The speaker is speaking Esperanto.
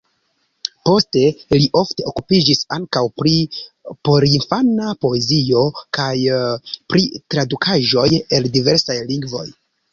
Poste li ofte okupiĝis ankaŭ pri porinfana poezio kaj pri tradukaĵoj el diversaj lingvoj.